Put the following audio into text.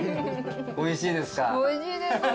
おいしいですか？